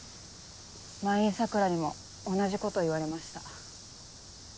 前に桜にも同じこと言われました。